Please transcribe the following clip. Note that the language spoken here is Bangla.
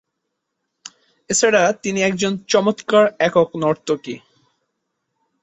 এছাড়াও তিনি একজন চমৎকার একক নর্তকী।